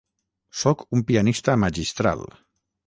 Soc un pianista magistral.